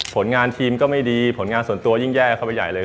ผลงานทีมก็ไม่ดีผลงานส่วนตัวยิ่งแย่เข้าไปใหญ่เลย